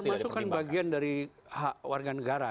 itu termasukkan bagian dari hak warga negara